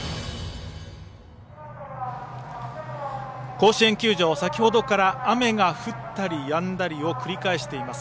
甲子園球場先ほどから雨が降ったりやんだりを繰り返しています。